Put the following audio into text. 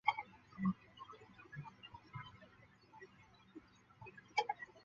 浦井唯行成员。